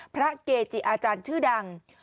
พระเกจิอาจารย์ชื่อดัง